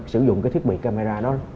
sử dụng cái thiết bị camera đó